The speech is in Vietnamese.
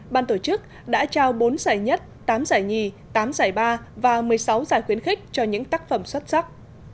ban tổ chức đã trao bốn giải nhất tám giải nhì tám giải ba và một mươi sáu giải khuyến khích cho những tác phẩm xuất sắc